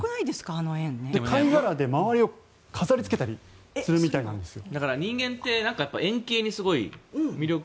貝殻で周りを飾りつけたりするみたいなんですよ。